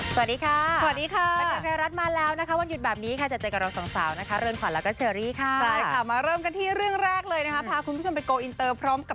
สวัสดีค่ะควรดี้ค่ะมันไม่มีชื่อหรัสมาแล้วนะคะวันหยุดแบบนี้ค่ะจะเจอกันเราสองสาวนะคะเรื่องขวัญแล้วก็เชอรี่ค่ะ